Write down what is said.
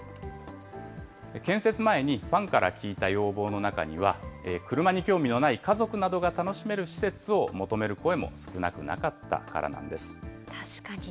建設前にファンから聞いた要望の中には、車に興味のない家族などが楽しめる施設を求める声も少なくなかっ確かに。